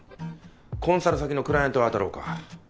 コンサル先のクライアントを当たろうか。